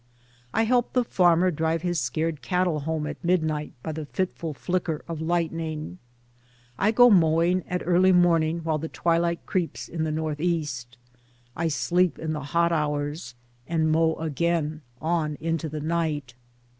I help the farmer drive his scared cattle home at midnight by the fitful flicker of lightning. I go mowing at early morning while the twilight creeps in the North East — I sleep in the hot hours — and mow again on into the night.